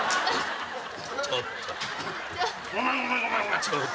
・ちょっと。